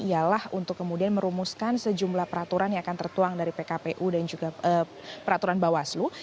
ialah untuk kemudian merumuskan sejumlah peraturan yang akan tertuang dari pkpu dan juga peraturan bawaslu